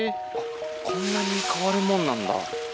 こんなに変わるもんなんだ。